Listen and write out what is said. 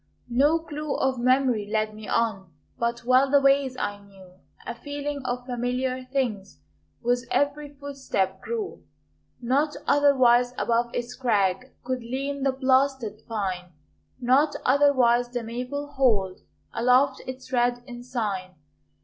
No clue of memory led me on, But well the ways I knew; A feeling of familiar things With every footstep grew. Not otherwise above its crag Could lean the blasted pine; Not otherwise the maple hold Aloft its red ensign.